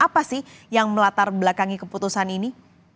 apa sih yang melatar belakangi keputusan ini